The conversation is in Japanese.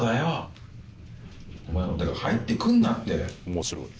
「面白い」